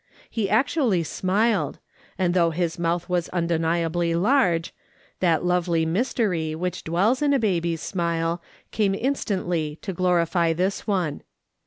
He actually smiled, and though his mouth was undeniably large, that lovely mystery which dwells in a baby's smile came instantly to glorify this one.